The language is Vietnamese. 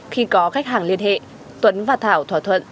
khi có khách hàng liên hệ tuấn và thảo thỏa thuận